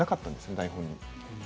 台本に。